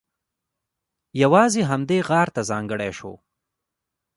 یوازې همدې غار ته ځانګړی شو.